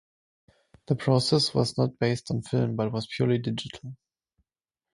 The process was not based on film, but was purely digital.